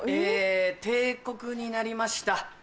え定刻になりました。